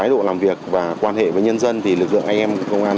khám phá nhiều vụ